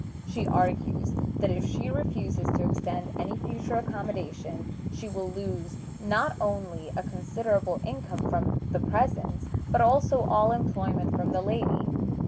She argues that if she refuses to extend any future accommodation she will lose not only a considerable income from the presents, but also all employment from the lady.